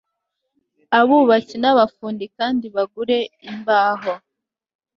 abubatsi n abafundi kandi bagure imbaho